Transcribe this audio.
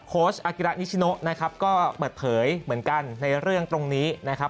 อากิระนิชโนนะครับก็เปิดเผยเหมือนกันในเรื่องตรงนี้นะครับ